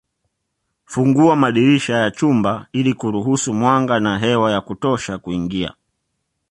Fungua madirisha ya chumba ili kuruhusu mwanga na hewa ya kutosha kuingia